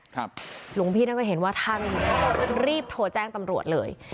หลวงพี่น่าก็เห็นว่าถ้าไม่เห็นก็จัดรีบโถ่แจ้งตำรวจเลย